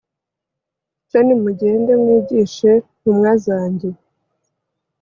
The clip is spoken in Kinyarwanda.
cyo nimugende mwigishe, ntumwa zanjye